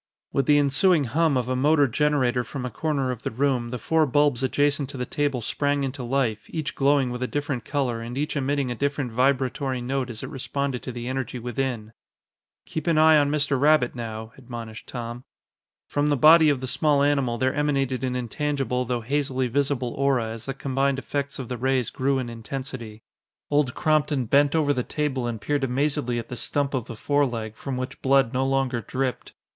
With the ensuing hum of a motor generator from a corner of the room, the four bulbs adjacent to the table sprang into life, each glowing with a different color and each emitting a different vibratory note as it responded to the energy within. "Keep an eye on Mr. Rabbit now," admonished Tom. From the body of the small animal there emanated an intangible though hazily visible aura as the combined effects of the rays grew in intensity. Old Crompton bent over the table and peered amazedly at the stump of the foreleg, from which blood no longer dripped.